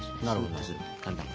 なるほど。